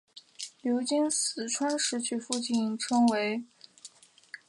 流经四川石渠附近时称为雅砻江。